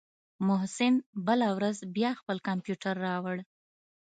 محسن بله ورځ بيا خپل کمپيوټر راوړ.